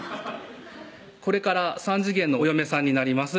「これから３次元のお嫁さんになります」